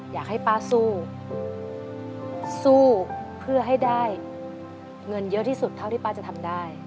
อยากให้ป้าสู้สู้เพื่อให้ได้เงินเยอะที่สุดเท่าที่ป้าจะทำได้